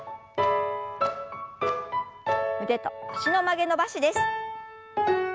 腕と脚の曲げ伸ばしです。